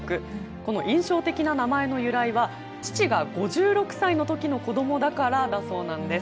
この印象的な名前の由来は父が５６歳のときの子どもだからだそうなんです。